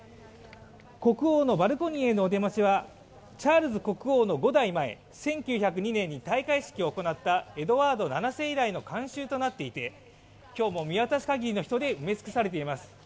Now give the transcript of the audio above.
国王のバルコニーへのお出ましは、チャールズ国王の５代前１９０２年に戴冠式を行ったエドワード７世以来の慣習となっていて今日も見渡す限りの人で埋め尽くされています。